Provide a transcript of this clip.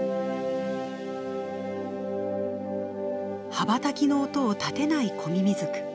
羽ばたきの音を立てないコミミズク。